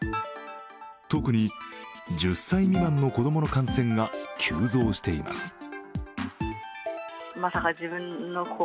特に１０歳未満の子供の感染が急増しています。